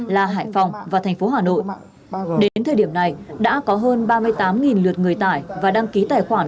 là hải phòng và thành phố hà nội đến thời điểm này đã có hơn ba mươi tám lượt người tải và đăng ký tài khoản